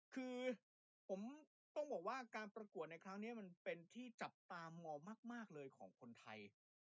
คือผมต้องบอกว่าการประกวดในครั้งนี้มันเป็นที่จับตามองมากเลยของคนไทย